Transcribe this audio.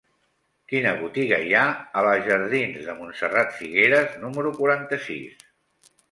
Quina botiga hi ha a la jardins de Montserrat Figueras número quaranta-sis?